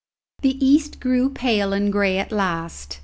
The east grew pale and grey at last.